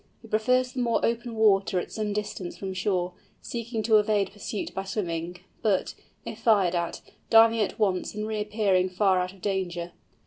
It prefers the more open water at some distance from shore, seeking to evade pursuit by swimming, but, if fired at, diving at once and reappearing far out of danger.